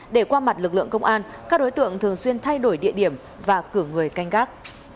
để qua mặt lực lượng công an các đối tượng thường xuyên thay đổi địa điểm và cử người canh gác